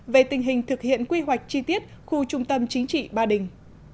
về tình hình thực hiện quy hoạch chi tiết khu trung tâm chính trị ba đình